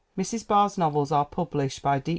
Mrs. Barrs novels are published by D.